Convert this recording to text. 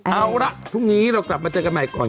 เอาละพรุ่งนี้เรากลับมาเจอกันใหม่ก่อน